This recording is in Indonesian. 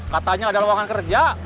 katanya ada ruangan kerja